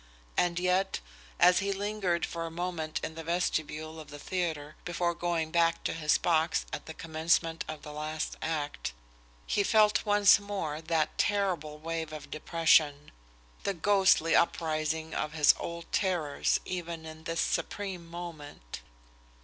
And yet, as he lingered for a moment in the vestibule of the theatre, before going back to his box at the commencement of the last act, he felt once more that terrible wave of depression, the ghostly uprising of his old terrors even in this supreme moment.